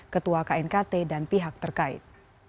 ketua knkt dan pihak terkait